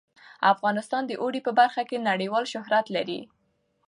افغانستان د اوړي په برخه کې نړیوال شهرت لري.